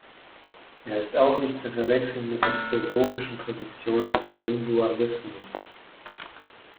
Er ist auch nicht zu verwechseln mit der philosophischen Position des Sensualismus.